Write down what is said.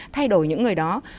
thay đổi những người đó